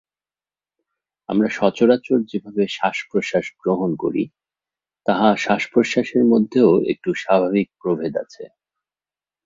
আমরা সচরাচর যেভাবে শ্বাসপ্রশ্বাস গ্রহণ করি, তাহা শ্বাসপ্রশ্বাসের মধ্যেও একটু স্বাভাবিক প্রভেদ আছে।